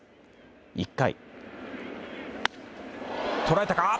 １回。